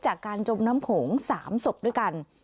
จากการจบน้ำโขง๓ศพด้วยกัน